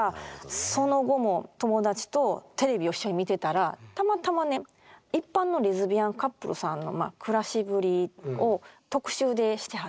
その後も友達とテレビを一緒に見てたらたまたまね一般のレズビアンカップルさんの暮らしぶりを特集でしてはって。